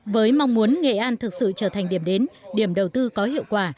với mong muốn nghệ an thực sự trở thành điểm đến điểm đầu tư có hiệu quả